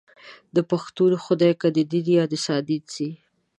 داپښتون خدای که ددين يا دسادين شي